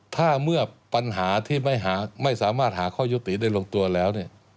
ถ้าเมื่อปัญหาที่ไม่สามารถหาข้อยุติได้ลงตัวแล้วเนี่ย